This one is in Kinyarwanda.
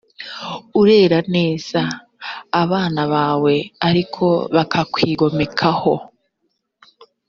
urere neza abana bawe ariko bakakwigomekaho